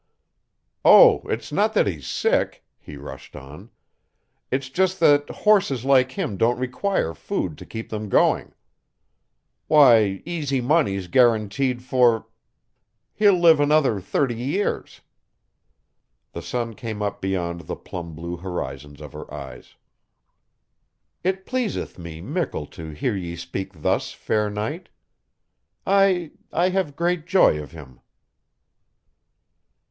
"Oh, it's not that he's sick," he rushed on. "It's just that horses like him don't require food to keep them going. Why, Easy Money's guaranteed for ... he'll live another thirty years." The sun came up beyond the plum blue horizons of her eyes. "It pleaseth me mickle to hear ye speak thus, fair knight. I ... I have great joy of him."